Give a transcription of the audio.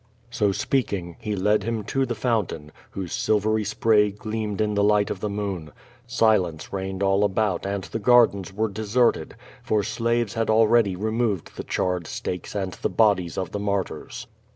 ^' So speaking, he led him to the fountain, whose silvery spray gleamed in the light of the moon. Silence reigned all about and the gardens were deserted, for slaves had already removed the charred stakes and the bodies of the martyrs.